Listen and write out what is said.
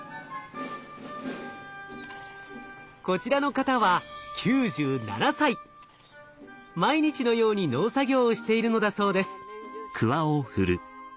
こちらの方は毎日のように農作業をしているのだそうです。